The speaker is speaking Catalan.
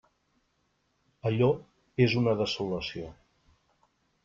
Allò és una desolació.